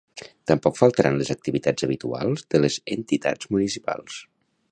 Tampoc faltaran les activitats habituals de les entitats municipals